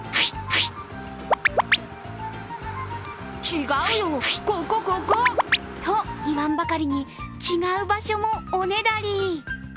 違うよ、ここここ！と言わんばかりに違う場所もおねだり。